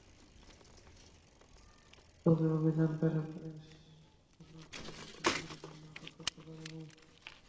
তবে অভিযানকালে পুলিশ মামলার প্রধান আসামি নূর হোসেনকে আটক করতে পারেনি।